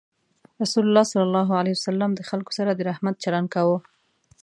رسول الله صلى الله عليه وسلم د خلکو سره د رحمت چلند کاوه.